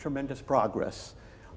kemajuan yang luar biasa